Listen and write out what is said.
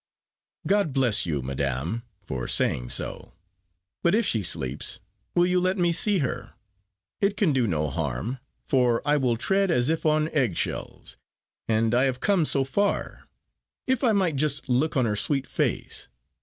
"God bless you, madam, for saying so. But if she sleeps, will you let me see her? it can do no harm, for I will tread as if on egg shells; and I have come so far if I might just look on her sweet face.